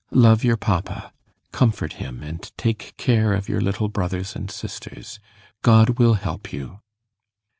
Love your papa. Comfort him; and take care of your little brothers and sisters. God will help you.